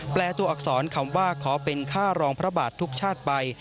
ตัวอักษรคำว่าขอเป็นค่ารองพระบาททุกชาติไป